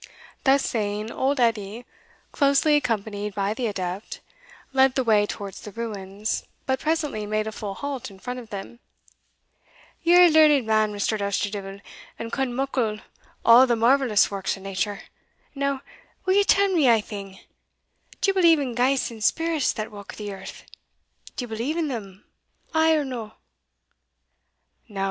Thus saying, old Edie, closely accompanied by the adept, led the way towards the ruins, but presently made a full halt in front of them. "Ye're a learned man, Mr. Dousterdeevil, and ken muckle o' the marvellous works o' nature Now, will ye tell me ae thing? D'ye believe in ghaists and spirits that walk the earth? d'ye believe in them, ay or no?"